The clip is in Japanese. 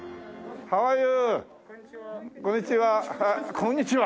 こんにちは。